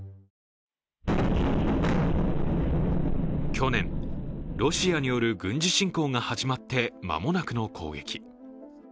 去年、ロシアによる軍事侵攻が始まって間もなくの攻撃。